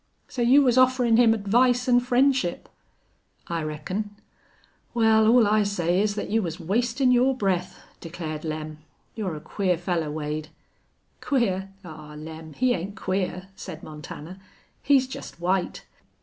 So you was offerin' him advice an' friendship?" "I reckon." "Wal, all I say is thet you was wastin' yore breath," declared Lem. "You're a queer fellar, Wade." "Queer? Aw, Lem, he ain't queer," said Montana. "He's jest white.